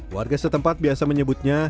warga setempat biasa menyebutnya